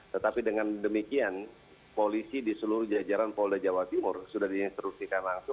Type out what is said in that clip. tetapi dengan demikian polisi di seluruh jajaran polda jawa timur sudah diinstruksikan langsung